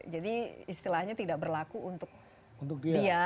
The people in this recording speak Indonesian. jadi istilahnya tidak berlaku untuk dia